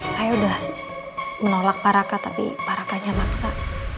saya udah menolak pak raka tapi pak rakanya maksa